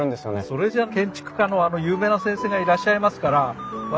それじゃあ建築家のあの有名な先生がいらっしゃいますから私